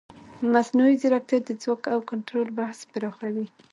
مصنوعي ځیرکتیا د ځواک او کنټرول بحث پراخوي.